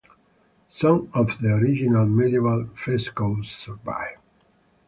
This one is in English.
Some of the original medieval frescoes survive.